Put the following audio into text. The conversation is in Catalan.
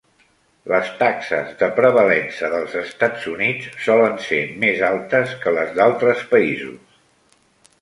Les taxes de prevalença dels Estats Units solen ser més altes que les d'altres països.